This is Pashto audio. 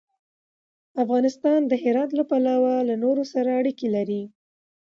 افغانستان د هرات له پلوه له نورو سره اړیکې لري.